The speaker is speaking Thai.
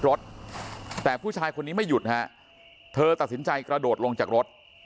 รถแต่ผู้ชายคนนี้ไม่หยุดฮะเธอตัดสินใจกระโดดลงจากรถ